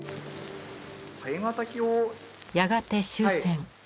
やがて終戦。